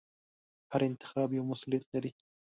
هر انتخاب یو مسوولیت لري.